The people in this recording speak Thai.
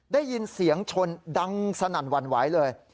ได้ยินเสียงชนดังสนั่นหวั่นไหวเลย